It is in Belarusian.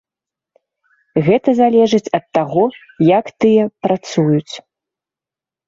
Гэта залежыць ад таго, як тыя працуюць.